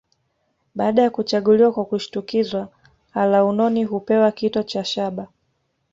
Baada ya kuchaguliwa kwa kushtukizwa alaunoni hupewa kito cha shaba